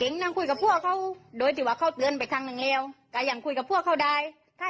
นี่ไงนี่ไงคุณผู้ชมก็ได้ยินอะ